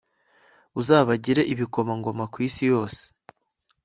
uzabagire ibikomangoma ku isi yose